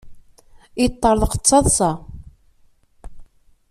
Yeṭṭerḍeq d taḍsa.